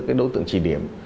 cái đối tượng trị điểm